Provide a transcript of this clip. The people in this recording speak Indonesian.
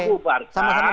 harusnya kita bubarkan